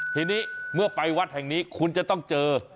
ทีนี้เมื่อไปวัดแห่งนี้คุณจะต้องเจอ